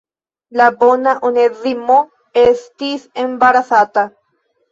La bona Onezimo estis embarasata.